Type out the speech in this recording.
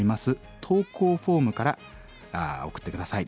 投稿フォームから送って下さい。